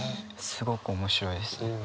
すごく面白いです。